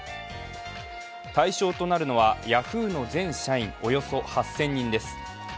対象となるのはヤフーの全社員８０００人です。